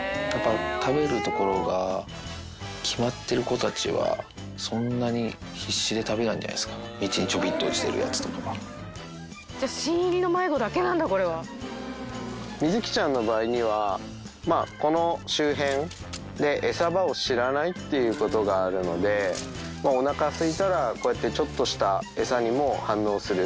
食べる所が決まってる子たちは、そんなに必死で食べないんじゃないですか、道にちょびっと落ちてじゃあ、新入りの迷子だけなみづきちゃんの場合には、この周辺で餌場を知らないっていうことがあるので、おなかすいたら、こうやってちょっとした餌にも反応する。